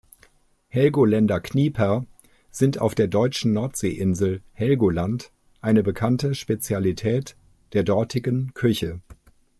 Helgoländer Knieper sind auf der deutschen Nordseeinsel Helgoland eine bekannte Spezialität der dortigen Küche.